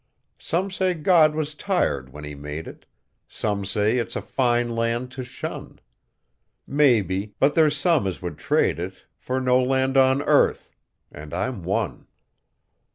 Some say God was tired when He made it; Some say it's a fine land to shun; Maybe; but there's some as would trade it For no land on earth and I'm one.